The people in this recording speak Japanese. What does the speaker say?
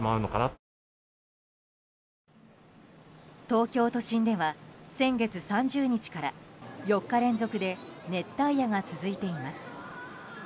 東京都心では先月３０日から４日連続で熱帯夜が続いています。